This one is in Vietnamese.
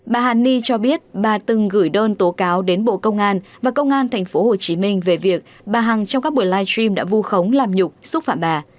bà hàn ni cho biết bà từng gửi đơn tố cáo đến bộ công an và công an tp hcm về việc bà hằng trong các buổi live stream đã vu khống làm nhục xúc phạm bà